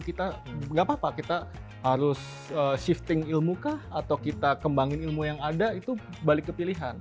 kita nggak apa apa kita harus shifting ilmu kah atau kita kembangin ilmu yang ada itu balik ke pilihan